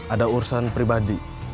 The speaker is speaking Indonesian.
ada urusan pribadi